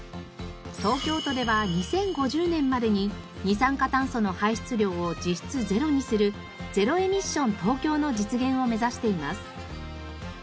東京都では２０５０年までに二酸化炭素の排出量を実質ゼロにするゼロエミッション東京の実現を目指しています。